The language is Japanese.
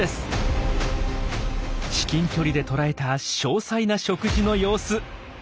至近距離で捉えた詳細な食事の様子。